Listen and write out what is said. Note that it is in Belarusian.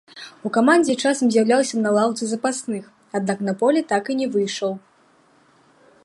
У камандзе часам з'яўляўся на лаўцы запасных, аднак на поле так і не выйшаў.